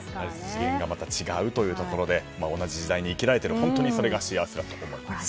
次元がまた違うというところで同じ時代に生きられている本当にそれが幸せだと思います。